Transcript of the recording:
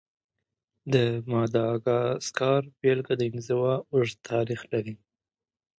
د ماداګاسکار بېلګه د انزوا اوږد تاریخ لري.